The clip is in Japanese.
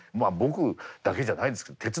あ僕だけじゃないですけど。